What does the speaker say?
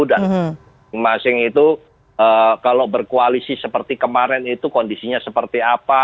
dan masing masing itu kalau berkoalisi seperti kemarin itu kondisinya seperti apa